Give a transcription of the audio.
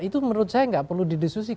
itu menurut saya enggak perlu didisusikan